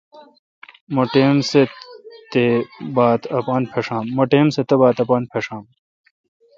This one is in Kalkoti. مہ ٹائم سہ تہ باتھ اپان پݭام۔